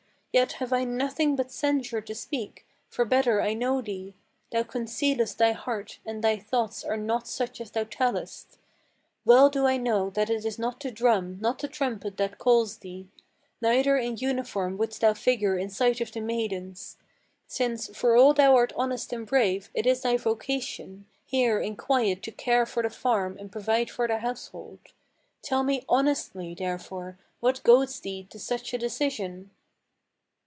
Yet have I nothing but censure to speak; for better I know thee. Thou concealest thy heart, and thy thoughts are not such as thou tellest. Well do I know that it is not the drum, not the trumpet that calls thee: Neither in uniform wouldst thou figure in sight of the maidens; Since, for all thou art honest and brave, it is thy vocation Here in quiet to care for the farm and provide for the household. Tell me honestly, therefore, what goads thee to such a decision?"